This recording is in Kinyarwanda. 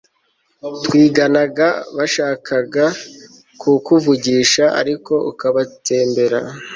twiganaga bashakaga kukuvugisha ariko ukabatsembera